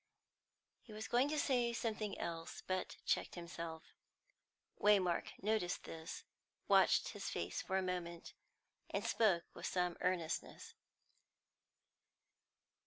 He was going to say something else, but checked himself. Waymark noticed this, watched his face for a moment, and spoke with some earnestness.